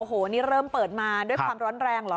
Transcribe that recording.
โอ้โหนี่เริ่มเปิดมาด้วยความร้อนแรงเหรอ